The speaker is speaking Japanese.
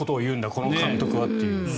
この監督はという。